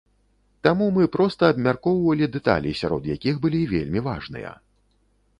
Таму мы проста абмяркоўвалі дэталі, сярод якіх былі вельмі важныя.